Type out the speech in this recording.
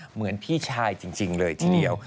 เหมือนพี่ชายจริงเลยทีเดียว